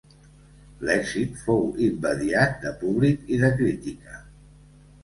L'èxit fou immediat, de públic i de crítica.